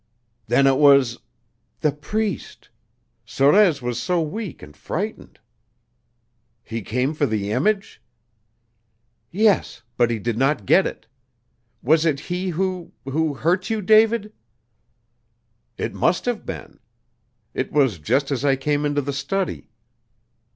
"Then it was " "The priest. Sorez was so weak and frightened." "He came for the image?" "Yes, but he did not get it. Was it he who who hurt you, David?" "It must have been. It was just as I came into the study."